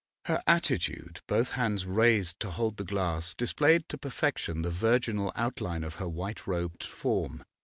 Her attitude, both hands raised to hold the glass, displayed to perfection the virginal outline of her white robed form.